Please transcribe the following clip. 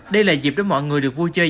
đây là dịp để mọi người được vui chơi